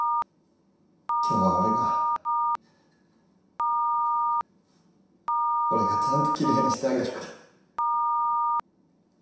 今日は俺が俺がちゃんときれいにしてあげるから。